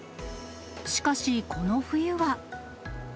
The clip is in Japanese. しかし、この冬は。